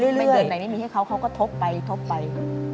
ลูกบ้าน